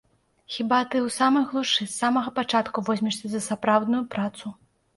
Хіба ты ў самай глушы з самага пачатку возьмешся за сапраўдную працу.